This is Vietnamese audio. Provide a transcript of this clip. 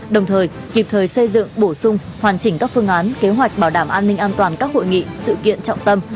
đồng thời kịp thời xây dựng bổ sung hoàn chỉnh các phương án kế hoạch bảo đảm an ninh an toàn các hội nghị sự kiện trọng tâm